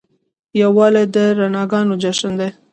دیوالي د رڼاګانو جشن دی.